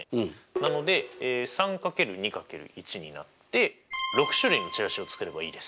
なので３×２×１になって６種類のチラシを作ればいいです。